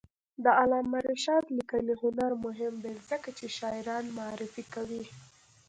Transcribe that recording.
د علامه رشاد لیکنی هنر مهم دی ځکه چې شاعران معرفي کوي.